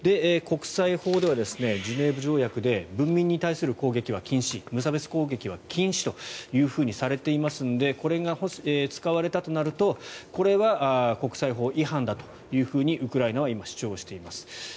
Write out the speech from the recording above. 国際法ではジュネーブ条約で文民に対する攻撃は禁止無差別攻撃は禁止というふうにされていますのでこれが使われたとなるとこれは国際法違反だとウクライナは今主張しています。